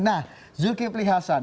nah zulkifli hasan